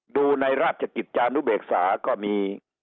ดูในราชกิจจานุเบกษาก็มี